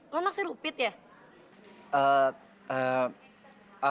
lo naksir upit ya